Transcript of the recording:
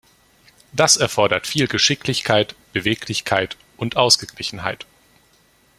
Das erfordert viel Geschicklichkeit, Beweglichkeit und Ausgeglichenheit.